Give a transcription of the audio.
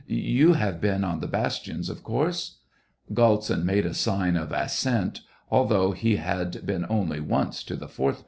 . you have been on the bastions, of course ?" (Galtsin made a sign of assent, although he had been only once to the fourth bastion.)